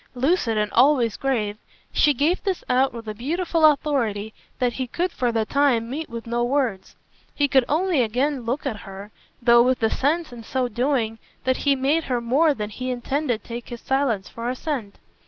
Lucid and always grave, she gave this out with a beautiful authority that he could for the time meet with no words. He could only again look at her, though with the sense in so doing that he made her more than he intended take his silence for assent.